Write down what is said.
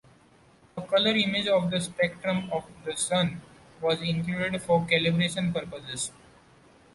A color image of the spectrum of the sun was included for calibration purposes.